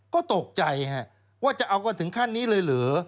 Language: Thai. ก็ตกใจว่าจะเอากันถึงขั้นนี้เลยเหรอ